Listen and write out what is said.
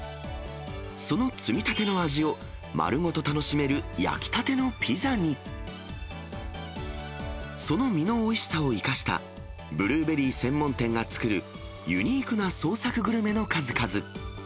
その摘みたての味を、丸ごと楽しめる焼きたてのピザに、その実のおいしさを生かした、ブルーベリー専門店が作る、ユニークな創作グルメの数々。